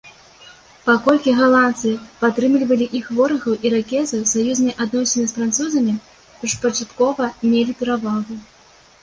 Паколькі галандцы падтрымлівалі іх ворагаў-іракезаў, саюзныя адносіны з французамі першапачаткова мелі перавагу.